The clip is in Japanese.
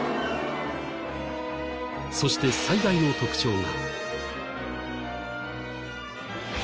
そして最大の特徴が。